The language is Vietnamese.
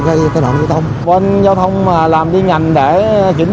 về trật tự an toàn giao thông từ ngày hai mươi tháng sáu đến ngày hai mươi tháng chín